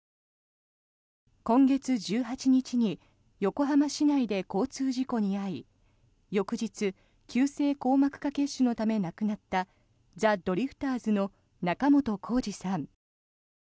今月１８日に横浜市内で交通事故に遭い翌日、急性硬膜下血腫のため亡くなったザ・ドリフターズの仲本工事さん。